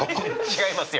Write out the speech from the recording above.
違います。